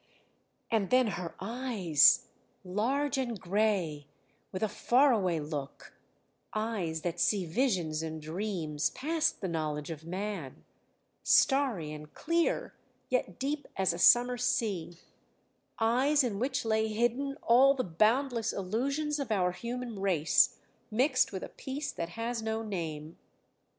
And then her eyes! Large and grey, with a far away look eyes that see visions and dreams past the knowledge of man; starry and clear, yet deep as a summer sea; eyes in which lay hidden all the boundless illusions of our human race, mixed with a peace that has no name.